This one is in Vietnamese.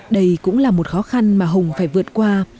đây cũng là một khó khăn mà hùng phải vượt qua